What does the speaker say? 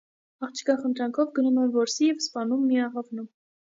Աղջկա խնդրանքով գնում են որսի և սպանում մի աղավնու։